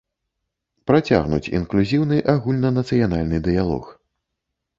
Працягнуць інклюзіўны агульнанацыянальны дыялог.